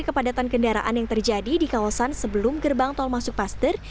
kepadatan kendaraan yang terjadi di kawasan sebelum gerbang tol masuk paster